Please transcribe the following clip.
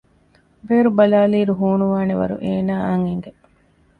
ބޭރު ބަލާލިއިރު ހޫނުވާނެ ވަރު އޭނާއަށް އެނގެ